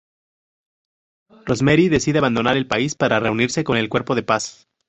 Rosemary decide abandonar el país para reunirse con el Cuerpo de Paz.